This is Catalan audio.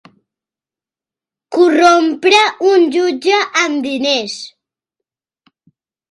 Corrompre un jutge amb diners.